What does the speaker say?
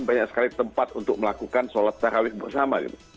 banyak sekali tempat untuk melakukan sholat terawih bersama